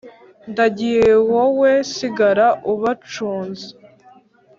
Ndagiye wowe sigara ubacunze